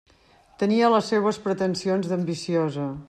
Tenia les seues pretensions d'ambiciosa.